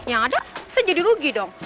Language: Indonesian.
yang ada saya jadi rugi dong